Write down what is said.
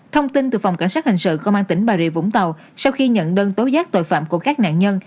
thông tin từ phòng cảnh sát hình sự công an tỉnh bà rịa vũng tàu sau khi nhận đơn tối giác tội phạm của các nạn nhân